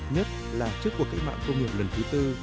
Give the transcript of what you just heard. nhất là trước cuộc cách mạng công nghiệp lần thứ tư